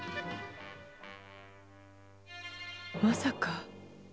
まさか！？